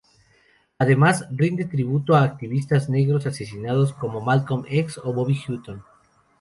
Además, rinde tributo a activistas negros asesinados como Malcolm X o Bobby Hutton.